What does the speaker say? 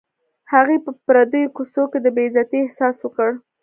هغې په پردیو کوڅو کې د بې عزتۍ احساس وکړ